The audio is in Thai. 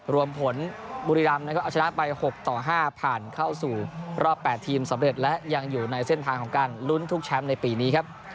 รวมผลบุรีรำนะครับเอาชนะไป๖ต่อ๕ผ่านเข้าสู่รอบ๘ทีมสำเร็จและยังอยู่ในเส้นทางของการลุ้นทุกแชมป์ในปีนี้ครับ